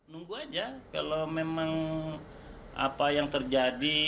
nunggu aja kalau memang apa yang terjadi